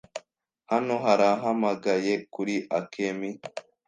Hano harahamagaye kuri Akemi.